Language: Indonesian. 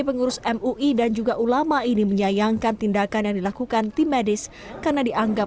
pengurus mui dan juga ulama ini menyayangkan tindakan yang dilakukan tim medis karena dianggap